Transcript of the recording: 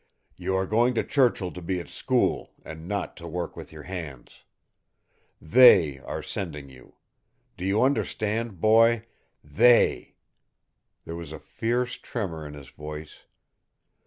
"You are going to Churchill to be at school, and not to work with your hands. THEY are sending you. Do you understand, boy? THEY!" There was a fierce tremor in his voice.